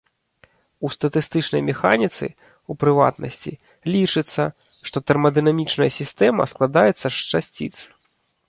У статыстычнай механіцы, у прыватнасці, лічыцца, што тэрмадынамічная сістэма складаецца з часціц.